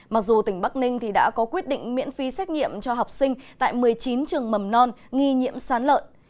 mặc dù tỉnh bắc ninh đã có quyết định miễn phí xét nghiệm cho học sinh tại một mươi chín trường mầm non nghi nhiễm sán lợn